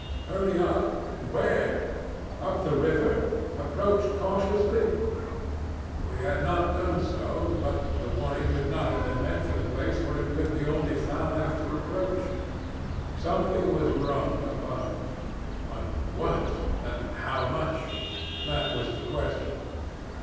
'Hurry up.' Where? Up the river? 'Approach cautiously.' We had not done so. But the warning could not have been meant for the place where it could be only found after approach. Something was wrong above. But what and how much? That was the question.